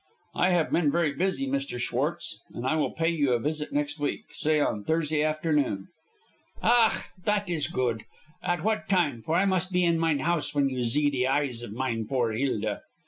"I have been very busy, Mr. Schwartz, but I will pay you a visit next week say on Thursday afternoon." "Ach, dat is goot. At what time, for I must be in mine house when you zee the eyes of mine poor Hilda."